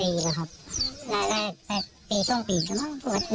อุ๊ยเป็นปีหรอครับ